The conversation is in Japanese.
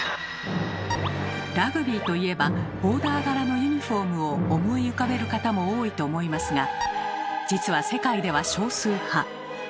ラグビーといえばボーダー柄のユニフォームを思い浮かべる方も多いと思いますが実は世界では少数派。